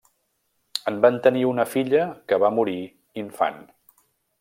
En van tenir una filla que va morir infant.